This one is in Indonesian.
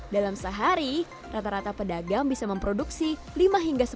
dalam sehari rata rata pedagang bisa memproduksi lima hingga sepuluh rupiah